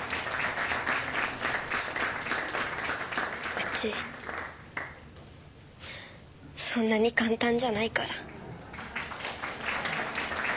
うちそんなに簡単じゃないから。